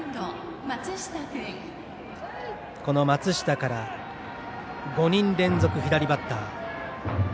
この松下から５人連続左バッター。